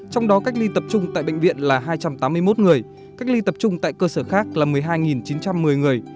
trong đó cách ly tập trung tại bệnh viện là hai trăm tám mươi một người cách ly tập trung tại cơ sở khác là một mươi hai chín trăm một mươi người